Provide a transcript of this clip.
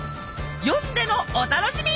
読んでのお楽しみ！